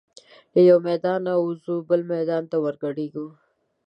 له یوه میدانه وزو بل میدان ته ور ګډیږو